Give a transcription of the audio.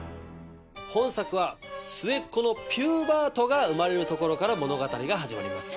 本作は末っ子のピューバートが生まれるところから物語が始まります。